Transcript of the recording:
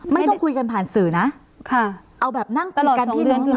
ไม่ต้องคุยกันผ่านสื่อนะเอาแบบนั่งปิดกันที่ลุงพล